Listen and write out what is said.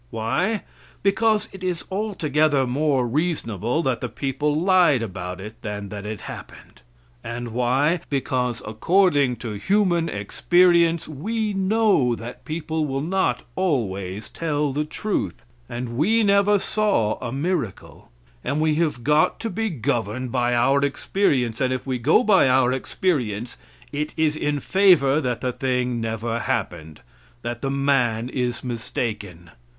Why? Because it is altogether more reasonable that the people lied about it than that it happened. And why? Because, according to human experience, we know that people will not always tell the truth, and we never saw a miracle, and we have got to be governed by our experience, and if we go by our experience, it is in favor that the thing never happened; that the man is mistaken.